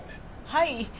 はい。